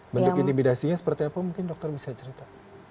bentuk intimidasinya seperti apa mungkin dokter bisa cerita